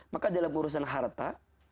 maka dalam urusan harta